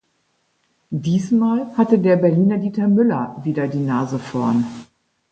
Diesmal hatte der Berliner Dieter Müller wieder die Nase vorne.